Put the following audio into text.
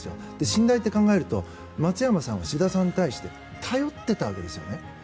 信頼って考えると松山さんは志田さんに対して頼っていたわけですよね。